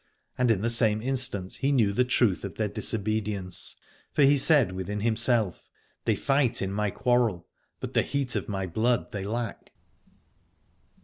And in the same instant he knew the truth of their disobedience : for he said within himself, They fight in my quarrel, but the heat of my blood they lack.